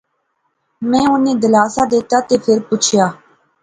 میں انیں دلاسا دتہ تہ فیر پچھیا